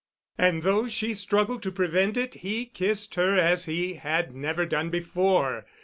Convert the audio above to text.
And though she struggled to prevent it, he kissed her as he had never done before.